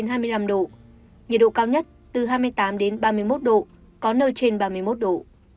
nhiệt độ cao nhất từ hai mươi tám đến ba mươi một độ có nơi trên ba mươi một độ